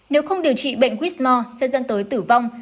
nếu không điều trị bệnh quýt mò sẽ dẫn tới tử vong